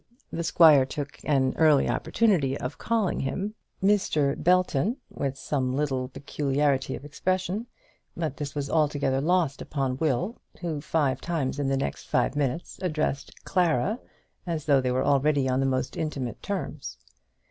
The squire took an early opportunity of calling him Mr. Belton with some little peculiarity of expression; but this was altogether lost upon Will, who five times in the next five minutes addressed "Clara" as though they were already on the most intimate terms.